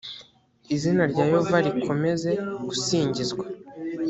izina rya yehova rikomeze gusingizwa